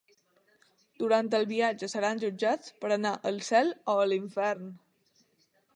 Durant el viatge seran jutjats per anar al cel o a l’infern.